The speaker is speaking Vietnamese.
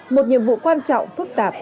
một nhiệm vụ quan trọng phức tạp